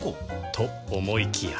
と思いきや